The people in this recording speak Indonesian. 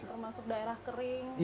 termasuk daerah kering